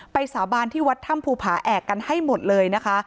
สาบานที่วัดถ้ำภูผาแอกกันให้หมดเลยนะคะ